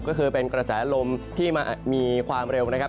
ก็คือเป็นกระแสลมที่มีความเร็วนะครับ